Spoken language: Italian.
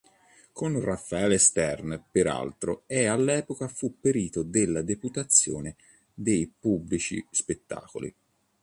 Con Raffaele Stern, peraltro, è all'epoca fu perito della deputazione dei pubblici spettacoli.